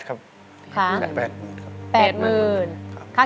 ขอบคุณครับ